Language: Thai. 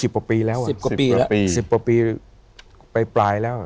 อ๋อ๑๐ประปีแล้ว๑๐กว่าปีไปปลายแล้ว